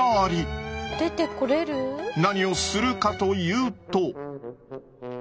何をするかというと。